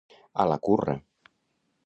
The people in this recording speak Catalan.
A la curra.